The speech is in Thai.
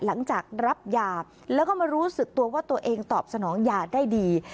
หลังจากรับยาแล้วก็มารู้สึกตัวว่าตัวเองตอบสนองยาได้ดี